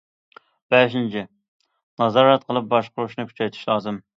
بەشىنچى، نازارەت قىلىپ باشقۇرۇشنى كۈچەيتىش لازىم.